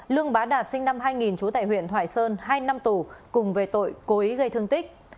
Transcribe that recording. lương bá đạt sinh năm hai nghìn trú tại huyện thoại sơn hai năm tù cùng về tội cố ý gây thương tích